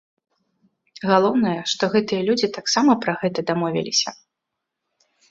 Галоўнае, што гэтыя людзі таксама пра гэта дамовіліся.